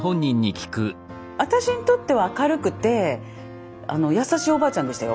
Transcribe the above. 私にとっては明るくて優しいおばあちゃんでしたよ。